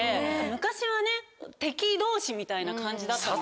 昔はね敵同士みたいな感じだったんで。